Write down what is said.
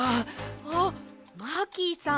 あっマーキーさん